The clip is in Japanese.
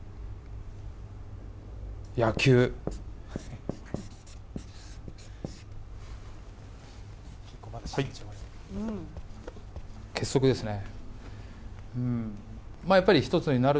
野球結束ですね。